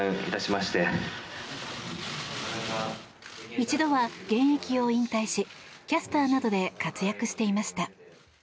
一度は現役を引退しキャスターなどで活躍していました。